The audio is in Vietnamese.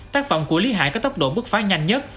tác phẩm của lý hải có tốc độ bức phá nhanh nhất